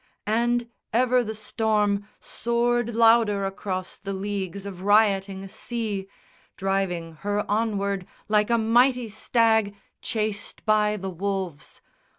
And ever the storm Soared louder across the leagues of rioting sea, Driving her onward like a mighty stag Chased by the wolves.